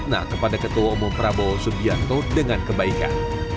makna kepada ketua umum prabowo subianto dengan kebaikan